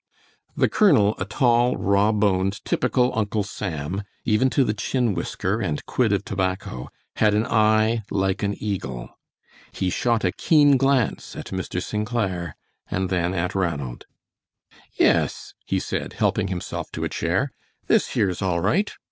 The colonel, a tall, raw boned, typical "Uncle Sam," even to the chin whisker and quid of tobacco, had an eye like an eagle. He shot a keen glance at Mr. St. Clair and then at Ranald. "Yes," he said, helping himself to a chair, "this here's all right.